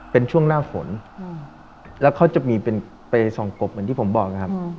เป็นช่วงหน้าฝนแล้วเขาจะมีเป็นไปส่องกบเหมือนที่ผมบอกนะครับ